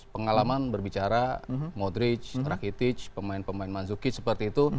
pengalaman berbicara modric rakitic pemain pemain mandzukic seperti itu